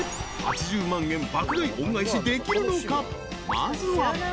［まずは］